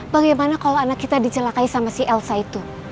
bagaimana kalau anak kita dicelakai sama si elsa itu